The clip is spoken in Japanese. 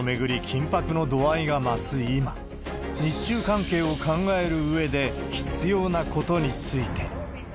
緊迫の度合いが増す今、日中関係を考えるうえで、必要なことについて。